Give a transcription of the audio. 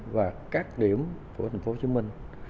và các điểm của thành phố hồ chí minh